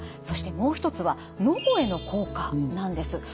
そしてもう１つは脳への効果なんです。